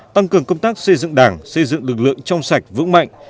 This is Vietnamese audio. tăng cường công tác xây dựng đảng xây dựng lực lượng trong sạch vững mạnh